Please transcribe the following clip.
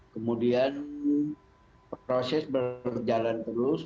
kemudian proses berjalan terus